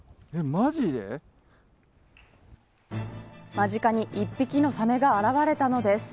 間近に１匹のサメが現れたのです。